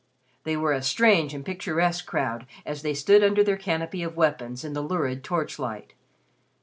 They were a strange and picturesque crowd as they stood under their canopy of weapons in the lurid torchlight.